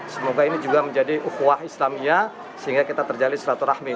semoga ini juga menjadi uhwah islamia sehingga kita terjadi sholat ur rahmi